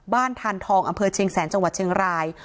ทานทองอำเภอเชียงแสนจังหวัดเชียงราย